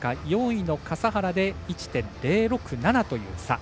４位の笠原で１．０６７という差。